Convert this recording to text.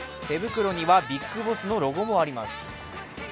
手袋には「ビッグボス」のロゴもあります。